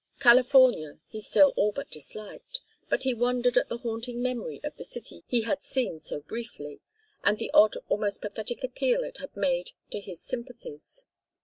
California, he still all but disliked, but he wondered at the haunting memory of the city he had seen so briefly, and the odd almost pathetic appeal it had made to his sympathies.